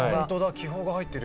気泡が入ってる。